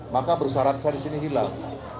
maka bersarat saya disini hilang